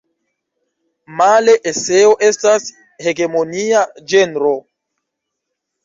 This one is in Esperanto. Male eseo estas hegemonia ĝenro.